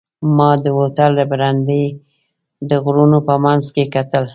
ما د هوټل له برنډې د غرونو په منځ کې کتل.